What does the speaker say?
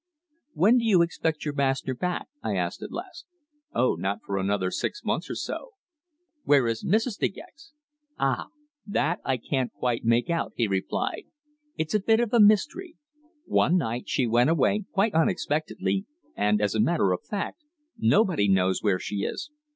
"When do you expect your master back?" I asked at last. "Oh, not for another six months or so." "Where is Mrs. De Gex?" "Ah! That I can't quite make out," he replied. "It's a bit of a mystery. One night she went away quite unexpectedly and, as a matter of fact, nobody knows where she is.